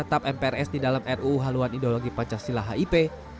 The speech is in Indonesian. tetap mprs di dalam ruu haluan ideologi pancasila hip